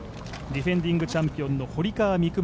ディフェンディングチャンピオンの堀川未来